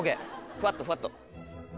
ふわっとふわっと。